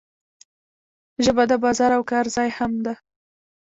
ژبه د بازار او کار ځای هم ده.